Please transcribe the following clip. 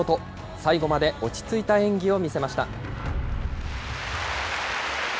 最後まで落ち着いた演技を見せました。